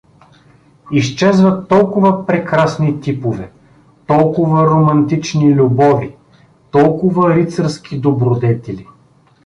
Изчезват толкова прекрасни типове, толкова романтични любови, толкова рицарски добродетели.